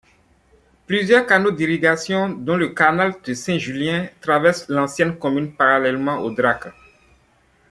Plusieurs canaux d'irrigation, dont le canal de Saint-Julien, traversent l'ancienne commune parallèlement au Drac.